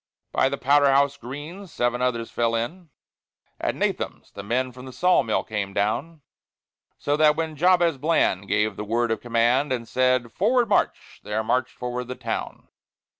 By the Powder House Green seven others fell in; At Nahum's, the men from the Saw Mill came down; So that when Jabez Bland gave the word of command, And said, "Forward, march!" there marched forward THE TOWN.